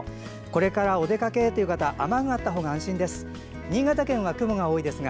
これからのお出かけという方雨具があったほうが安心です。